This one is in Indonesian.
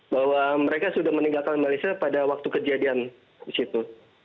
bahwa mereka sudah meninggalkan malaysia pada waktu kejadian di situ